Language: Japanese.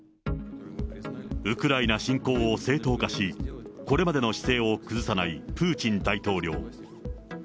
ウクライナ侵攻を正当化し、これまでの姿勢を崩さないプーチン大統領。